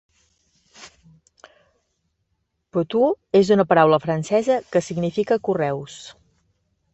"Poteau" és una paraula francesa que significa correus.